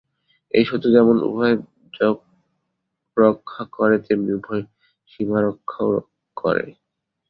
এই সেতু যেমন উভয়ের যোগ রক্ষা করে তেমনি উভয়ের সীমারক্ষাও করে।